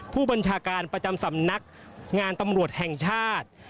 ผู้บัญชาการประจำสำนักงานตำรวจแห่งชาติ